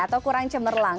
atau kurang cemerlang